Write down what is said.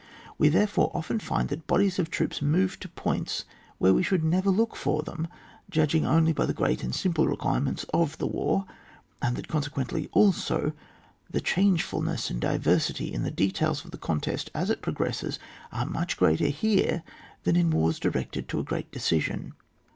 We therefore often find that bodies of troops move to points where we should never look for thein, judging only by the g^eat and simple requirements of the war ; and that consequently, also, the changeful ness and diversity in the details of the contest as it progresses, are much greater here than in wars directed to a great decision.